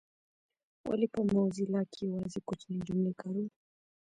ولي په موزیلا کي یوازي کوچنۍ جملې کاروو؟